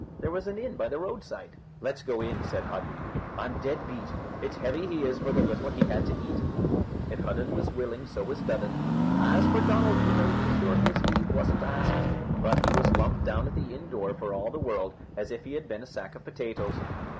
There was an inn by the roadside. "Let's go in," said Hudden; "I'm dead beat. It's heavy he is for the little he had to eat." If Hudden was willing, so was Dudden. As for Donald, you may be sure his leave wasn't asked, but he was lumped down at the inn door for all the world as if he had been a sack of potatoes.